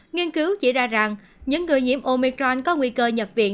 nghiên cứu chỉ ra rằng những người nhiễm omicron có nguy cơ nhập viện